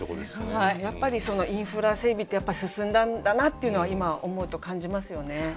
やっぱりインフラ整備って進んだんだなっていうのは今思うと感じますよね。